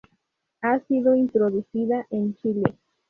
Ha sido introducida en Chile.